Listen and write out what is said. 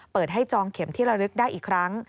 เปิดให้จองเข็มที่ระลึกได้อีกครั้ง